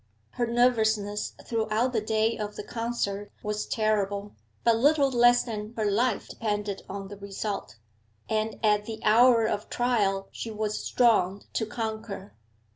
Her nervousness throughout the day of the concert was terrible, but little less than her life depended on the result, and at the hour of trial she was strong to conquer.